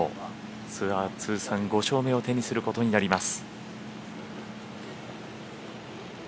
ツアー通算５勝目を手にすることになります。